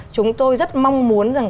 chúng tôi rất mong muốn rằng